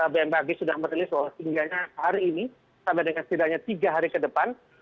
bmkg sudah merilis bahwa sehingga hari ini sampai dengan setidaknya tiga hari ke depan